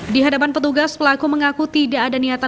di hadapan petugas pelaku mengaku tidak ada niatan